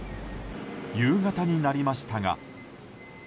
夕方になりましたが。